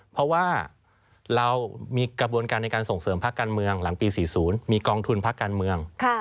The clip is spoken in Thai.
เพราะว่าเรามีกระบวนการในการส่งเสริมพักการเมืองหลังปี๔๐มีกองทุนพักการเมือง